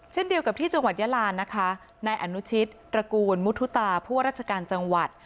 เช่นเดียวกับที่จังหวัดยาลานะคะนายอนุชิตตระกูลมุทุตาผู้ว่าราชการจังหวัด